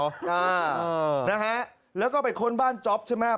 อ่านะฮะแล้วก็ไปค้นบ้านจ๊อปใช่ไหม